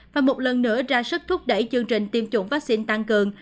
và một lần nữa ra sức thúc đẩy chương trình tiêm chủng vaccine tăng cường